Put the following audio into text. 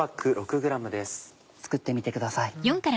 作ってみてください。